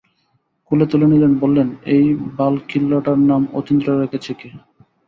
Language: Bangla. কোলে তুলে নিলেন, বললেন, এই বালখিল্যটার নাম অতীন্দ্র রেখেছে কে?